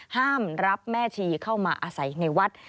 ห้ามรับแม่ชีเข้ามาอาศัยในวัด